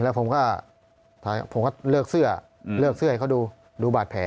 แล้วผมก็ผมก็เลิกเสื้ออืมเลิกเสื้อให้เขาดูดูบาดแผล